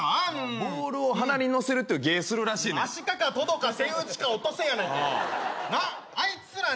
ボールを鼻にのせるっていう芸するらしいねんアシカかトドかセイウチかオットセイやないかいあいつらね